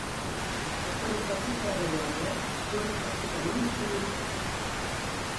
Les quantitats de ferro i ambre són pràcticament insignificants.